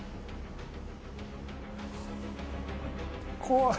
怖い。